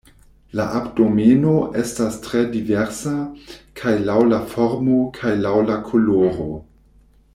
La abdomeno estas tre diversa, kaj laŭ la formo kaj laŭ la koloro.